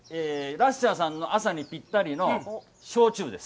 ラッシャーさんの朝にぴったりの焼酎です。